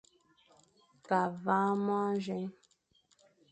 Ke veñ môr azôe,